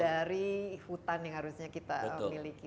dari hutan yang harusnya kita miliki